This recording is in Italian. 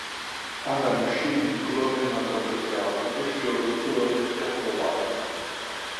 Ha ramoscelli di colore marrone chiaro e fiori di colore bianco opaco.